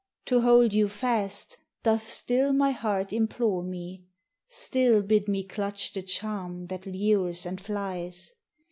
To hold you fast doth still my heart implore me? Still bid me clutch the charm that lures and flies?